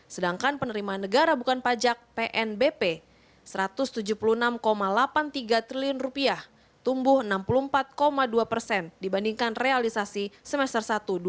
sedangkan penerimaan negara bukan pajak pnbp rp satu ratus tujuh puluh enam delapan puluh tiga triliun tumbuh enam puluh empat dua persen dibandingkan realisasi semester satu dua ribu dua puluh